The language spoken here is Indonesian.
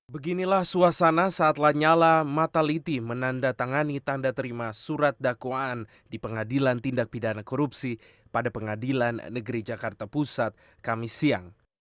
beginilah suasana saat lanyala mataliti menandatangani tanda terima surat dakwaan di pengadilan tindak pidana korupsi pada pengadilan negeri jakarta pusat kamis siang